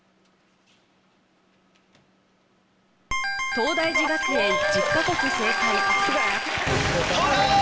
東大寺学園１０か国正解トライ！